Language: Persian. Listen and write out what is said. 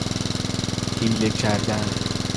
حیله کردن